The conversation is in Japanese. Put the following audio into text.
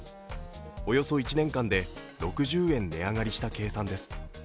およそ１年間で６０円値上がりした計算です。